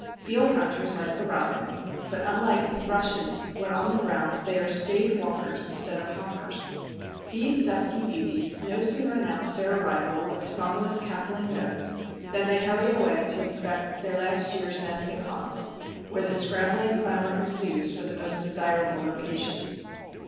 Field hunters like the robin, but unlike the thrushes, when on the ground they are staid walkers instead of hoppers. These dusky beauties no sooner announce their arrival with songless cackling notes than they hurry away to inspect their last year's nesting haunts, where scrambling clamor ensues for the most desirable locations.